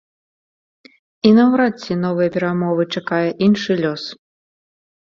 І наўрад ці новыя перамовы чакае іншы лёс.